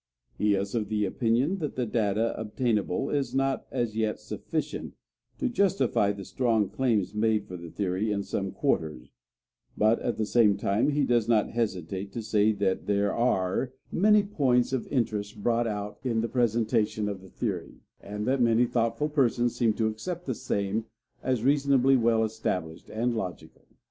He is of the opinion that the data obtainable is not as yet sufficient to justify the strong claims made for the theory in some quarters; but, at the same time, he does not hesitate to say that there are many points of interest brought out in the presentation of the theory, and that many thoughtful persons seem to accept the same as reasonably well established and logical.